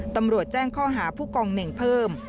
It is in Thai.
ตำรวจแจ้งข้อหาผู้กองเน่งเพิ่ม